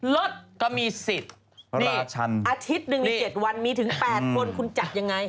ลดเพราะลาชันนี่อาทิตย์หนึ่งมี๗วันมีถึง๘คนคุณจัดยังไง